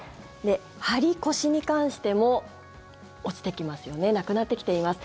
ハリ・コシに関しても落ちてきますよねなくなってきています。